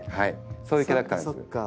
そういうキャラクターです。